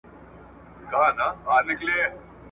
کله کله او حتی اکثر وختونه !.